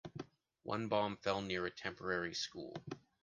One bomb fell near a temporary school.